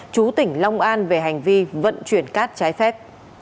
chú tỉnh long an về hành vi vận chuyển cát trái phép